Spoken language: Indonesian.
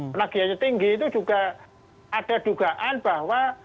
penagihannya tinggi itu juga ada dugaan bahwa